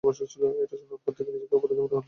এটা শোনার পর থেকে নিজেকে অপরাধী মনে হচ্ছিল।